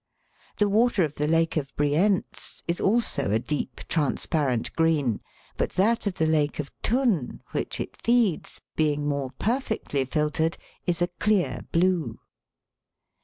The water of the Lake of Brientz is also a deep transparent green, but that of the Lake of Thun, which it feeds, being more perfectly filtered, is a clear blue.